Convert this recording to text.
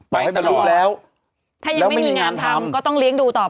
ไปตลอดแล้วแล้วไม่มีงานทำก็ต้องเลี้ยงดูต่อไป